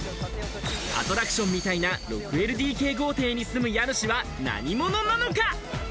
アトラクションみたいな６ＬＤＫ豪邸に住む家主は何者なのか？